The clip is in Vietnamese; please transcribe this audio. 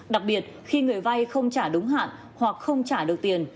đặc biệt khi người vay không trả đúng hạn hoặc không trả được tiền